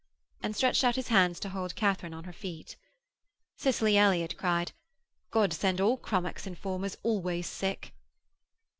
and stretched out his hands to hold Katharine on her feet. Cicely Elliott cried, 'God send all Crummock's informers always sick.'